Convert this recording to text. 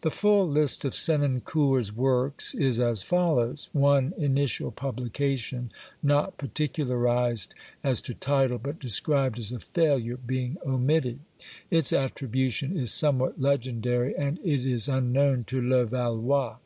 The full list of Senancour's works is as follows, one initial publication, not particularised as to title, but described as a failure, being omitted. Its attribution is somewhat legendary and it is unknown to Levallois.